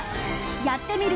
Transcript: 「やってみる。」